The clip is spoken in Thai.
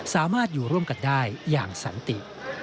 สามารถอยู่ร่วมกันได้อย่างสันติ